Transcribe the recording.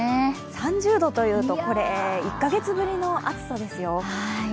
３０度というと１か月ほどの暑さですよ。